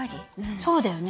そうだよね